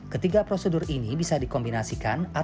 ketiga prosedur ini bisa dikombinasikan